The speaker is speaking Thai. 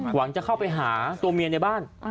หวังจะเข้าไปหาตัวเมียในบ้าน